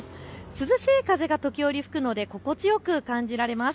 涼しい風が時折吹くので心地よく感じられます。